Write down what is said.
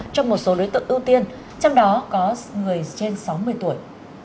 cho một số đối tượng ưu tiên trong đó có người trên sáu mươi tuổi